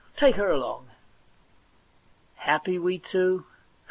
Take her along.' Happy, we too